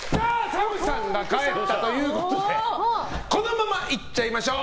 ＳＡＭさんが帰ったということでこのまま行っちゃいましょう！